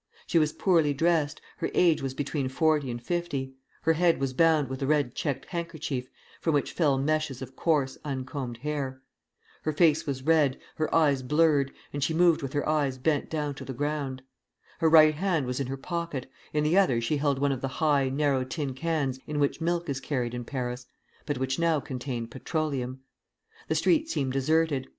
She was poorly dressed, her age was between forty and fifty; her head was bound with a red checked handkerchief, from which fell meshes of coarse, uncombed hair. Her face was red, her eyes blurred, and she moved with her eyes bent down to the ground. Her right hand was in her pocket; in the other she held one of the high, narrow tin cans in which milk is carried in Paris, but which now contained petroleum. The street seemed deserted.